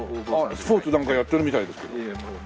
スポーツなんかやってるみたいですけど。